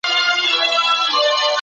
تاسو به له منفي بحثونو څخه ځان ساتئ.